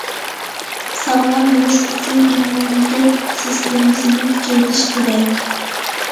ساغلام بولۇش ئۈچۈن ئىممۇنىتېت سىستېمىسىنى كۈچەيتىش كېرەك.